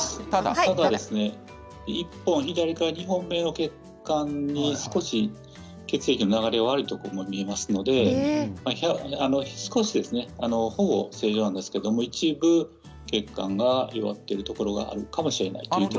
ただ、左から２本目の血管に少し血液の流れの悪いところがありますのでほぼ正常ですが一部血管が弱っているところがあるかもしれません。